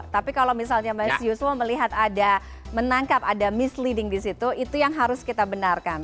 tapi kalau misalnya mas yuswo melihat ada menangkap ada misleading di situ itu yang harus kita benarkan